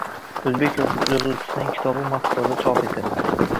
O‘zbek yozuvchisining kitobi Moskvada chop etildi